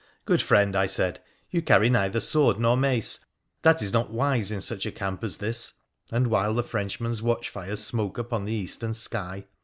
' Good friend,' I said, ' you carry neither sword nor mace. That is not wise in such a camp as this, and while the Frenchman's watchfires smoke upon the eastern sky.